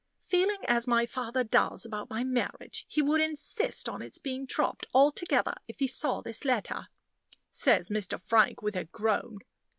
"Feeling as my father does about my marriage, he would insist on its being dropped altogether, if he saw this letter," says Mr. Frank, with a groan.